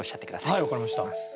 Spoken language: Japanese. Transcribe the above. はい分かりました。